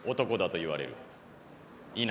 いいな。